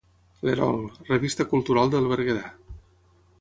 L'erol: revista cultural del Berguedà.